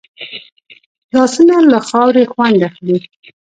لاسونه له خاورې خوند اخلي